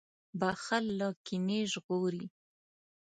• بښل له کینې ژغوري.